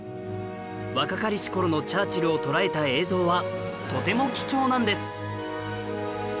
若かりし頃のチャーチルを捉えた映像はとても貴重なんです